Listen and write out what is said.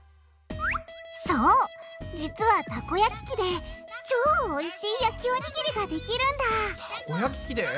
そう実はたこ焼き器で超おいしい焼きおにぎりができるんだたこ焼き器で？